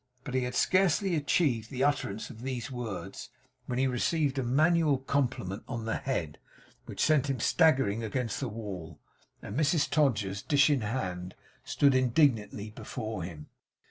But he had scarcely achieved the utterance of these words, when he received a manual compliment on the head, which sent him staggering against the wall; and Mrs Todgers, dish in hand, stood indignantly before him.